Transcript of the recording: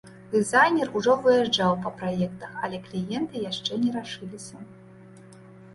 Дызайнер ужо выязджаў па праектах, але кліенты яшчэ не рашыліся.